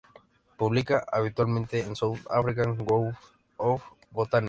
Publica habitualmente en South African Journal of Botany.